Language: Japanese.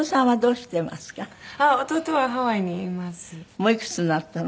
もういくつになったの？